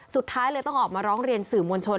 สุดท้ายเลยต้องออกมาร้องเรียนสื่อมวลชน